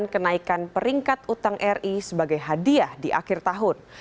kenaikan peringkat utang ri sebagai hadiah di akhir tahun